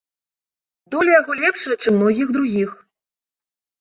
Доля яго лепшая, чым многіх другіх.